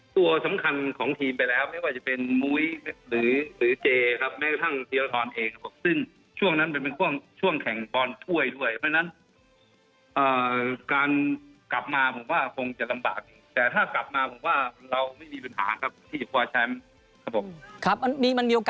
ตัวสำคัญของทีมไปแล้วไม่ว่าจะเป็นมุ้ย